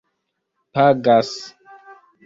pagas